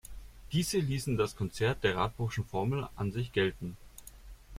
Diese ließen das Konzept der Radbruchschen Formel an sich gelten.